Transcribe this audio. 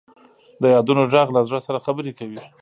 د یادونو ږغ له زړه سره خبرې کوي.